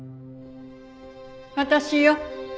私よ。